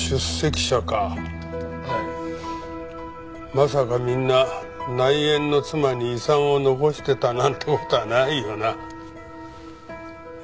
まさかみんな内縁の妻に遺産を残してたなんて事はないよな？え？